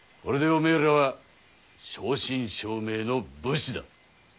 これでおめえらは正真正銘の武士だ。